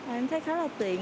em thấy khá là tiện